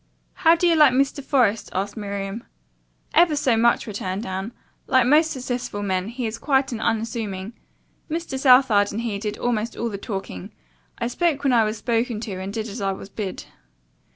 "How do you like Mr. Forest?" asked Miriam. "Ever so much," returned Anne. "Like most successful men, he is quiet and unassuming. Mr. Southard and he did almost all the talking. I spoke when I was spoken to and did as I was bid."